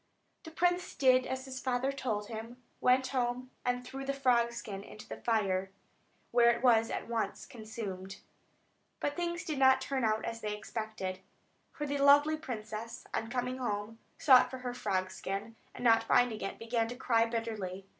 The prince did as his father told him, went home, and threw the frog skin into the fire, where it was at once consumed. But things did not turn out as they expected; for the lovely princess, on coming home, sought for her frog skin, and not finding it, began to cry bitterly.